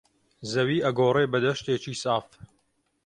زەوی ئەگۆڕێ بە دەشتێکی ساف